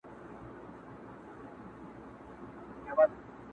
زه منکره درته نه یم په لوی خدای دي زما قسم وي٫